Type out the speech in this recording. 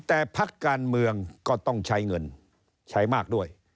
แต่พักการเมืองก็ต้องใช้เงินใช้มากด้วย